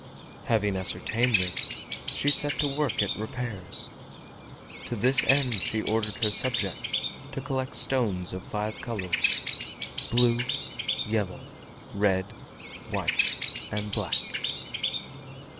Having ascertained this, she set to work at repairs. To this end she ordered her subjects to collect stones of five colors—blue, yellow, red, white and black.